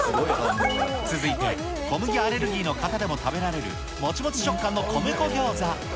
続いて、小麦アレルギーの方でも食べられるもちもち食感の米粉ギョーザ。